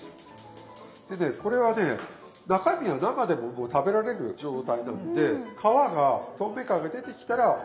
でねこれはね中身は生でも食べられる状態なんで皮が透明感が出てきたらもうこれで食べれます。